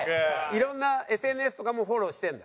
いろんなＳＮＳとかもフォローしてるんだ？